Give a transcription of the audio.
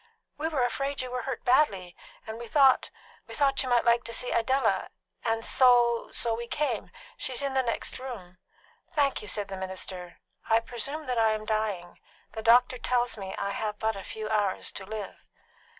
"We were afraid you were hurt badly, and we thought we thought you might like to see Idella and so we came. She is in the next room." "Thank you," said the minister. "I presume that I am dying; the doctor tells me that I have but a few hours to live."